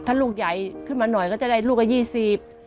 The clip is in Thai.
ถ้าลูกใหญ่ขึ้นมาหน่อยก็จะได้ลูกละยี่สิบ